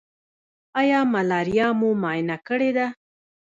ایا ملاریا مو معاینه کړې ده؟